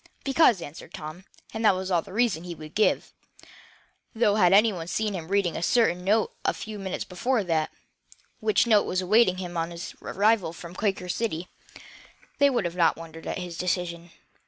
"Because," answered Tom, and that was all the reason he would give, though had any one seen him reading a certain note a few minutes before that, which note was awaiting him on his arrival from the Quaker City, they would not have wondered at his decision.